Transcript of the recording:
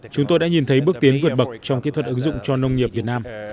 chúng tôi đã nhìn thấy bước tiến vượt bậc trong kỹ thuật ứng dụng cho nông nghiệp việt nam